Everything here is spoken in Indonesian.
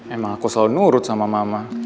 emang aku selalu nurut sama mama